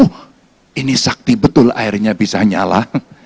oh ini sakti betul airnya bisa nyala